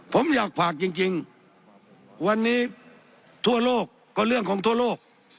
ผมอยากฝากจริงวันนี้ทั่วโลกก็เรื่องของทั่วโลก